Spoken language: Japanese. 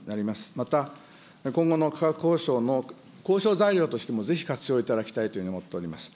また今後の価格交渉の交渉材料としてもぜひ活用いただきたいというふうに思っております。